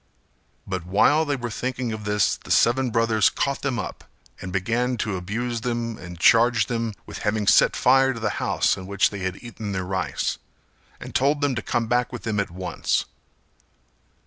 But while they were thinking of this the seven brothers caught them up, and began to abuse them and charge them with having set fire to the house in which they had eaten their rice, and told them to come back with them at once.